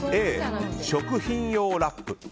Ａ、食品用ラップ。